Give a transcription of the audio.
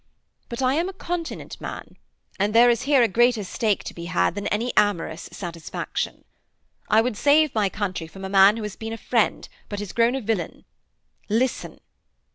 But I am a continent man, and there is here a greater stake to be had than any amorous satisfaction. I would save my country from a man who has been a friend, but is grown a villain. Listen.'